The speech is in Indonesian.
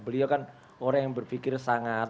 beliau kan orang yang berpikir sangat